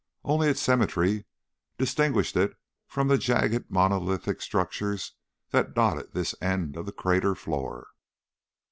Only its symmetry distinguished it from the jagged monolithic structures that dotted this end of the crater floor.